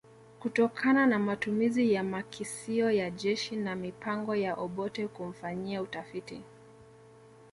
kutokana na matumizi ya makisio ya jeshi na mipango ya Obote kumfanyia utafiti